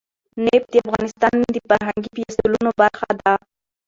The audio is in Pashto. نفت د افغانستان د فرهنګي فستیوالونو برخه ده.